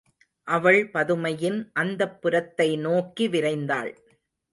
அவள் பதுமையின் அந்தப்புரத்தை நோக்கி விரைந்தாள்.